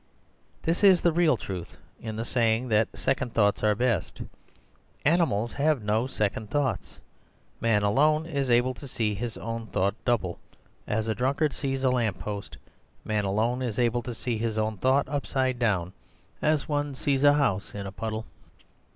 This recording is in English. "This is the real truth, in the saying that second thoughts are best. Animals have no second thoughts; man alone is able to see his own thought double, as a drunkard sees a lamp post; man alone is able to see his own thought upside down as one sees a house in a puddle.